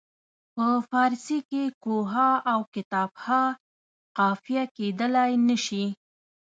په فارسي کې کوه ها او کتاب ها قافیه کیدلای نه شي.